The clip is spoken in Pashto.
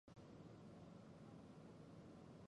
زه د پوره ژوند هیله لرم.